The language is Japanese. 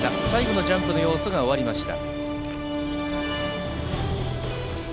最後のジャンプの要素が終わりました。